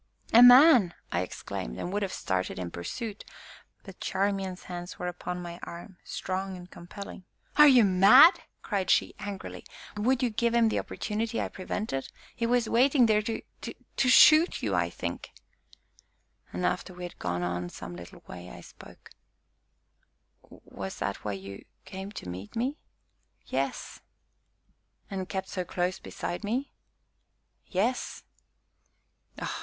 "A man!" I exclaimed, and would have started in pursuit, but Charmian's hands were upon my arm, strong and compelling. "Are you mad?" cried she angrily; "would you give him the opportunity I prevented? He was waiting there to to shoot you, I think!" And, after we had gone on some little way, I spoke. "Was that why you came to meet me?" "Yes." "And kept so close beside me." "Yes."